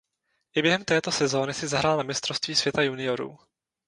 I během této sezóny si zahrál na Mistrovství světa juniorů.